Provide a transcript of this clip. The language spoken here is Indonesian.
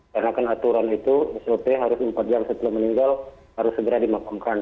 karena kan aturan itu sop harus empat jam setelah meninggal harus segera dimakamkan